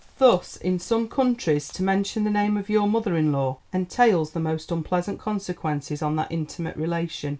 Thus in some countries to mention the name of your mother in law entails the most unpleasant consequences on that intimate relation.